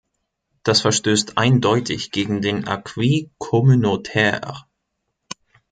Das verstößt eindeutig gegen den Acquis communautaire.